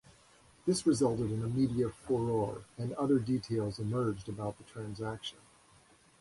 This resulted in a media furore, and other details emerged about the transaction.